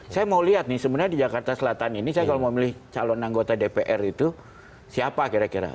saya mau lihat nih sebenarnya di jakarta selatan ini saya kalau mau milih calon anggota dpr itu siapa kira kira